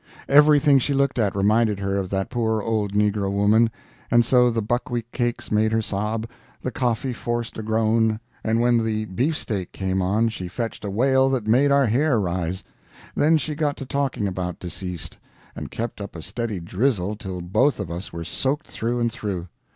Everything she looked at reminded her of that poor old negro woman, and so the buckwheat cakes made her sob, the coffee forced a groan, and when the beefsteak came on she fetched a wail that made our hair rise. Then she got to talking about deceased, and kept up a steady drizzle till both of us were soaked through and through.